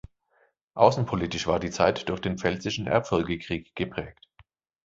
Außenpolitisch war die Zeit durch den Pfälzischen Erbfolgekrieg geprägt.